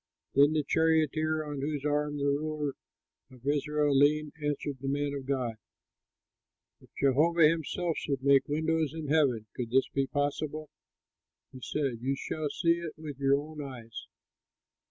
'" Then the charioteer on whose arm the ruler of Israel leaned answered the man of God, "If Jehovah himself should make windows in heaven, could this be possible?" He said, "You shall see it with your own eyes."